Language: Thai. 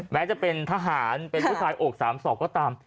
แม้จะเป็นทหารเป็นผู้ชายอกสามศอกก็ตาม